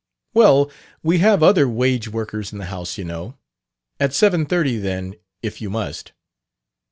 "Well, we have other wage workers in the house, you know. At seven thirty, then, if you must."